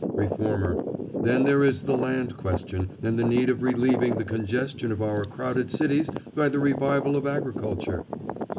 REFORMER: Then there is the land question, and the need of relieving the congestion of our crowded cities by the revival of agriculture.